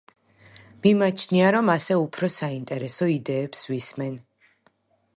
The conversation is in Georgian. მიმაჩნია, რომ ასე უფრო საინტერესო იდეებს ვისმენ.